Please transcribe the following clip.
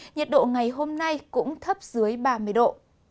nhiệt độ ngày hôm nay cũng thấp dưới ba mươi độ